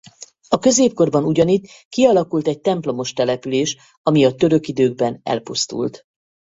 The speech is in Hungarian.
A középkorban ugyanitt kialakult egy templomos település ami a török időkben elpusztult.